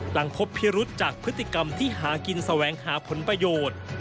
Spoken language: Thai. หลังพบพิรุษจากพฤติกรรมที่หากินแสวงหาผลประโยชน์